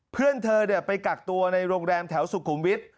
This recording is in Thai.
เพื่อนเธอไปกักตัวในโรงแรมแถวสุขุมวิทย์